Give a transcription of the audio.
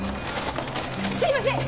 すいません！